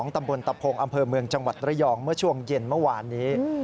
ตำบลตะพงอำเภอเมืองจังหวัดระยองเมื่อช่วงเย็นเมื่อวานนี้